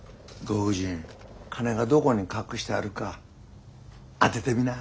ご婦人金がどこに隠してあるか当ててみな？